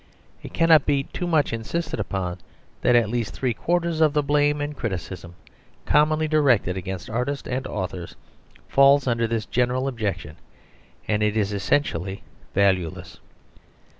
It cannot be too much insisted upon that at least three quarters of the blame and criticism commonly directed against artists and authors falls under this general objection, and is essentially valueless.